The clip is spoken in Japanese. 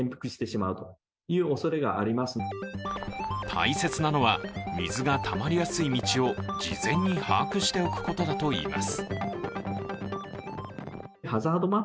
大切なのは、水がたまりやすい水を事前に把握しておくことだといいます。